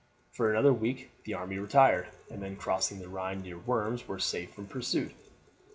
For another week the army retired, and then crossing the Rhine near Worms were safe from pursuit.